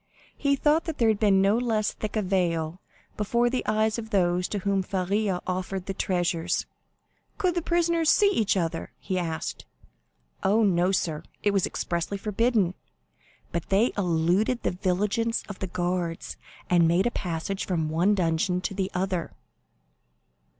He thought that there had been no less thick a veil before the eyes of those to whom Faria offered the treasures. "Could the prisoners see each other?" he asked. "Oh, no, sir, it was expressly forbidden; but they eluded the vigilance of the guards, and made a passage from one dungeon to the other."